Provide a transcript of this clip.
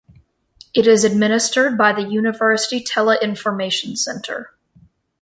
It is administered by the University Teleinformation Center.